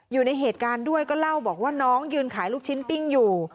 อยู่ในเหตุการณ์ด้วยก็เล่าบอกว่าน้องยืนขายลูกชิ้นปิ้งอยู่